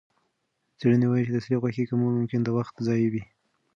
څېړنه وايي چې د سرې غوښې کمول ممکن د وخت ضایع وي.